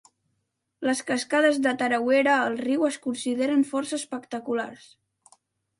Les cascades de Tarawera al riu es consideren força espectaculars.